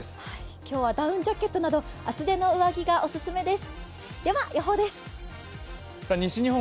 今日はダウンジャケットなど、厚手の上着がオススメです。